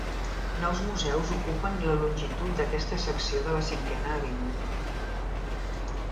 Nou museus ocupen la longitud d'aquesta secció de la Cinquena Avinguda.